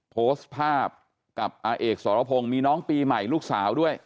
โพสต์ภาพกับอาเอกสรพงศ์มีน้องปีใหม่ลูกสาวด้วย